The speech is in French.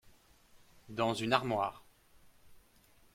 Dans une armoire.